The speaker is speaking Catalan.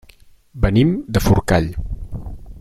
Venim de Forcall.